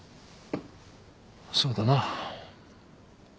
そうだな。